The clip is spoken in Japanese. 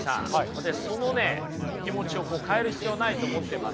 私その気持ちを変える必要はないと思ってまして。